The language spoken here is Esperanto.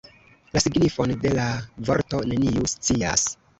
La signifon de la vorto neniu scias.